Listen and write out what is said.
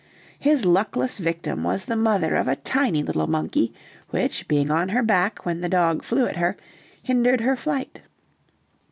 His luckless victim was the mother of a tiny little monkey, which, being on her back when the dog flew at her, hindered her flight.